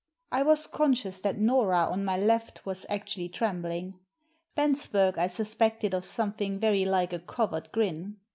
I was conscious that Nora, on my left, was actually trembling. Bensberg I suspected of something very like a covert grin.